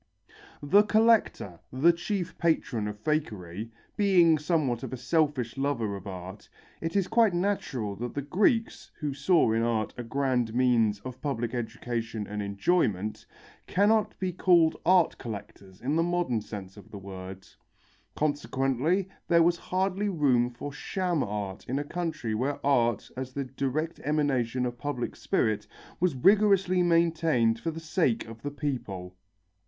The collector, the chief patron of fakery, being somewhat of a selfish lover of art, it is quite natural that the Greeks, who saw in art a grand means of public education and enjoyment, cannot be called art collectors in the modern sense of the word. Consequently there was hardly room for sham art in a country where art as the direct emanation of public spirit was rigorously maintained for the sake of the people.